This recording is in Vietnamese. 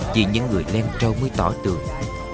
chỉ những người len trâu mới tỏ tượng